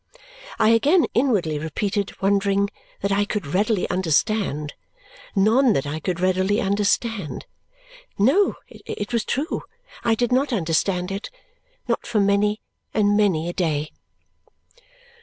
I again inwardly repeated, wondering, "That I could readily understand. None that I could readily understand!" No, it was true. I did not understand it. Not for many and many a day.